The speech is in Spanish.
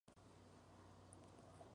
Este último fue hallado culpable.